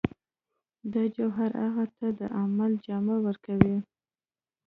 دا جوهر هغه ته د عمل جامه ورکوي